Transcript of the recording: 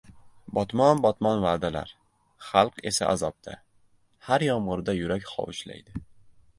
Botmon-botmon va’dalar. Xalq esa azobda, har yomg‘irda yurak hovuchlaydi